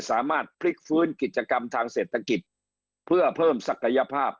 สามารถพลิกฟื้นกิจกรรมทางเศรษฐกิจเพื่อเพิ่มศักยภาพ